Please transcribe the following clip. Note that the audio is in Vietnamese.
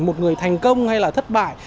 một người thành công hay là thất bại